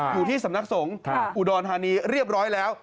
อยู่ที่สำนักสงฆ์อุดรธานีเรียบร้อยแล้ว